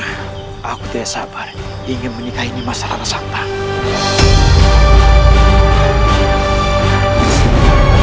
aku tidak sabar ingin menikahi mas rana santan